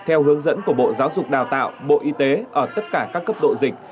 theo hướng dẫn của bộ giáo dục đào tạo bộ y tế ở tất cả các cấp độ dịch